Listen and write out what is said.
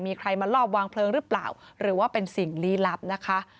มีใครมาลอบวางเพลิงหรือเปล่าหรือว่าเป็นสิ่งลี้ลับนะคะ